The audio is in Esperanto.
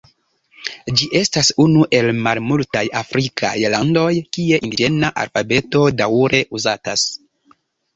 Ĝi estas unu el malmultaj afrikaj landoj, kie indiĝena alfabeto daŭre uzatas.